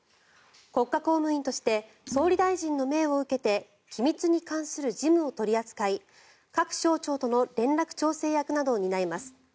国家公務員として総理大臣の命を受けて機密に関する事務を取り扱い各省庁との連絡調整役などを担います。